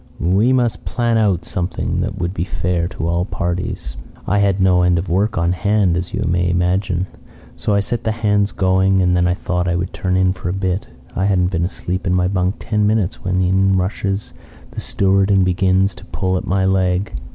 'We must plan out something that would be fair to all parties.' "I had no end of work on hand, as you may imagine, so I set the hands going, and then I thought I would turn in a bit. I hadn't been asleep in my bunk ten minutes when in rushes the steward and begins to pull at my leg.